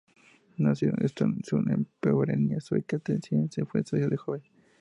Nacido en Stralsund, en Pomerania Sueca, Tessin se fue a Suecia de joven.